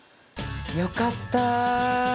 よかった！